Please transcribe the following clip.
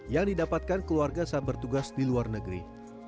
yang didapatkan keluarga saat bertugas di luar negeri